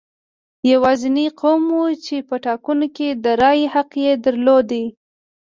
یوازینی قوم و چې په ټاکنو کې د رایې حق یې درلود.